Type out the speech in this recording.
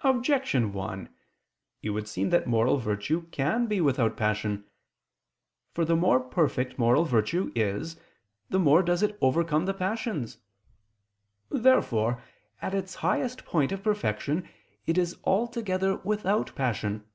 Objection 1: It would seem that moral virtue can be without passion. For the more perfect moral virtue is, the more does it overcome the passions. Therefore at its highest point of perfection it is altogether without passion.